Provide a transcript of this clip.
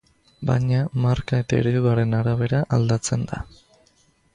Baina, marka eta ereduaren arabera aldatzen da.